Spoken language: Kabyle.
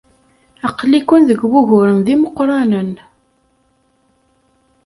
Aql-iken deg wuguren d imeqranen.